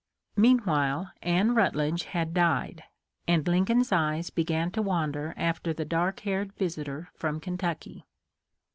Meanwhile Anne Rutledge had died, and Lincoln's eyes began to wander after the dark haired visitor from Kentucky.